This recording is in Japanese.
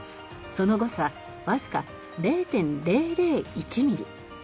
その誤差わずか０．００１ミリ。